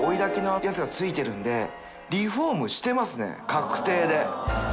確定で。